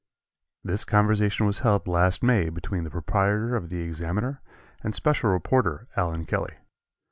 This conversation was held last May between the proprietor of the Examiner and special reporter Allen Kelly.